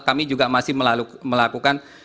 kami juga masih melakukan